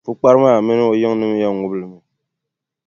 Pukpara maa mini o yiŋnima yɛn ŋubi li mi.